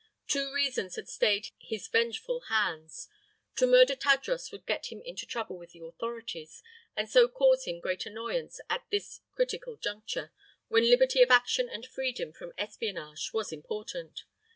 Two reasons had stayed his vengeful hands. To murder Tadros would get him into trouble with the authorities, and so cause him great annoyance at this critical juncture, when liberty of action and freedom from espionage was important.